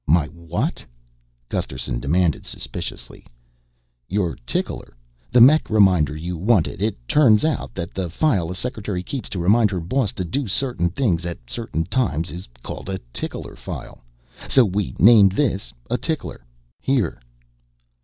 "My what?" Gusterson demanded suspiciously. "Your tickler. The mech reminder you wanted. It turns out that the file a secretary keeps to remind her boss to do certain things at certain times is called a tickler file. So we named this a tickler. Here."